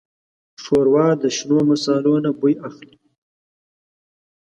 ښوروا د شنو مصالو نه بوی اخلي.